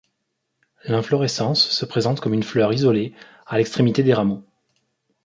L'inflorescence se présente comme une fleur isolée à l'extrémité des rameaux.